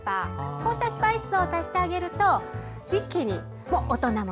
こうしたスパイスを足してあげると一気に大人も。